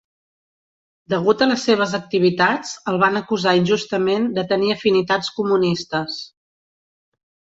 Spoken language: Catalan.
Degut a les seves activitats, el van acusar injustament de tenir afinitats comunistes.